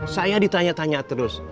saya ditanya tanya terus